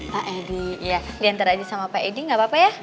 pak edi iya dianter aja sama pak edi gak apa apa ya